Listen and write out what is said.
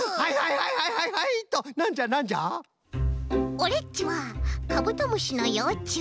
オレっちはカブトムシのようちゅう。